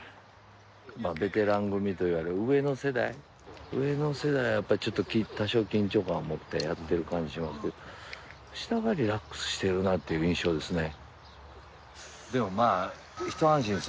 ベテラン組といわれる上の世代上の世代は多少緊張感持ってやってる感じがしますけど下がリラックスしているなという印象ですね。